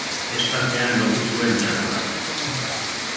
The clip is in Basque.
Estalpean lotu zuen txakurra.